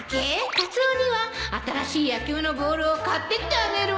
カツオには新しい野球のボールを買ってきてあげるわ